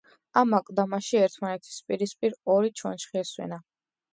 ამ აკლდამაში ერთმანეთის პირისპირ ორი ჩონჩხი ესვენა.